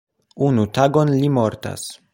Unu tagon li mortas.